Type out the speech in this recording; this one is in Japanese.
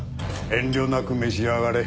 遠慮なく召し上がれ。